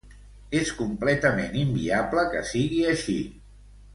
És completament inviable que sigui així.